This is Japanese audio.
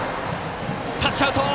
タッチアウト！